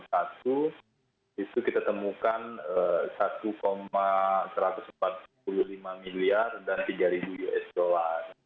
di situ kita temukan rp satu satu ratus empat puluh lima miliar dan rp tiga juta